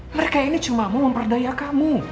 mereka ini cuma mau memperdaya kamu